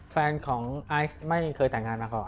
แฟนของไอซ์ไม่เคยแต่งงานมาก่อน